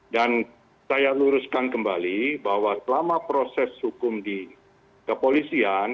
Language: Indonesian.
dan saya luruskan kembali bahwa selama proses hukum di kepolisian